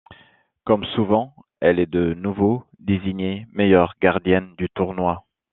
Comme souvent, elle est de nouveau désignée meilleure gardienne du tournoi.